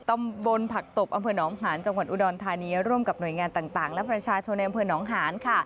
ตำบลผักตบอำเภอหนองหานจังหวัดอุดรธานีร่วมกับหน่วยงานต่างและประชาชนในอำเภอหนองหานค่ะ